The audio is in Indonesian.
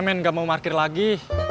main gak mau parkir lagi